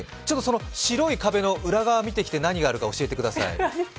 白い壁の裏側見てきて何があるか教えてください。